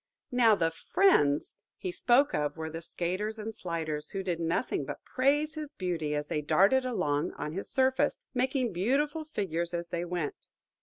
Now the "friends" he spoke of were the skaters and sliders, who did nothing but praise his beauty as they darted along on his surface, making beautiful figures as they went.